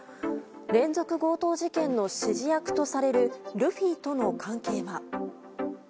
連続強盗事件の指示役とされるルフィとの関係は？